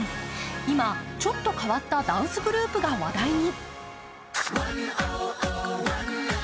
今、ちょっと変わったダンスグループが話題に。